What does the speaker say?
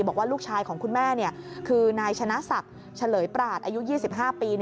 บอกว่าลูกชายของคุณแม่คือนายชนะศักดิ์เฉลยปราศอายุ๒๕ปี